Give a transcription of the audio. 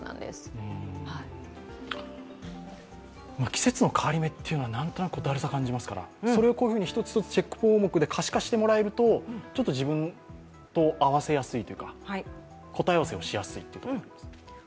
季節の変わり目というのは何となく、だるさを感じますから、それをこういうふうに一つ一つチェック項目で可視化してもらえると自分と合わせやすいというか答え合わせをしやすいですね。